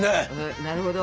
なるほど。